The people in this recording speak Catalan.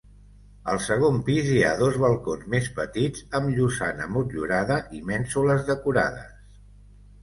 Al segon pis hi ha dos balcons més petits amb llosana motllurada i mènsules decorades.